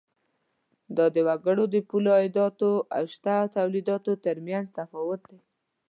دا د وګړو د پولي عایداتو او شته تولیداتو تر مینځ تفاوت دی.